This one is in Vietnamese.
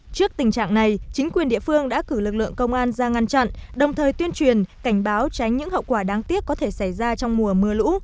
trước tình trạng này chính quyền địa phương đã cử lực lượng công an ra ngăn chặn đồng thời tuyên truyền cảnh báo tránh những hậu quả đáng tiếc có thể xảy ra trong mùa mưa lũ